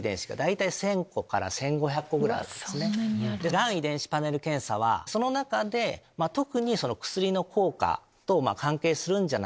がん遺伝子パネル検査はその中で特に薬の効果と関係するんじゃないか。